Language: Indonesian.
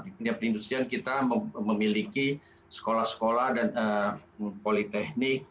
di dunia perindustrian kita memiliki sekolah sekolah dan politeknik